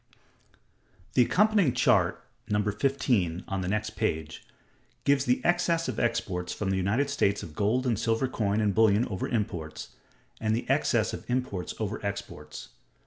(273) The accompanying Chart, No. XIV, on the next page, gives the excess of exports from the United States of gold and silver coin and bullion over imports, and the excess of imports over exports.